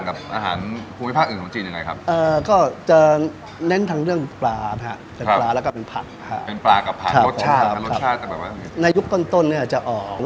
แล้วก็มาถึงเมืองไทยก็เปิดร้านอาหาร